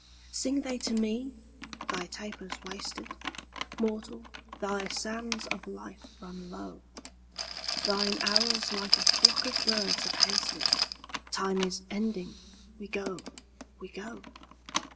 Sing they to me? 'Thy taper's wasted; Mortal, thy sands of life run low; Thine hours like a flock of birds have hasted: Time is ending; we go, we go.'